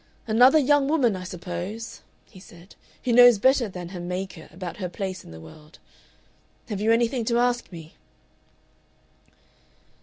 "Another young woman, I suppose," he said, "who knows better than her Maker about her place in the world. Have you anything to ask me?"